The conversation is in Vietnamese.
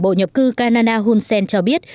bộ nhập cư canada hun sen cho biết